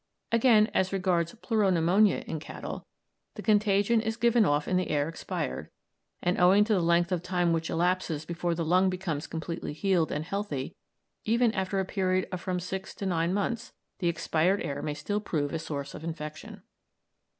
Again, as regards pleuro pneumonia in cattle, the contagion is given off in the air expired, and owing to the length of time which elapses before the lung becomes completely healed and healthy, even after a period of from six to nine months, the expired air may still prove a source of infection.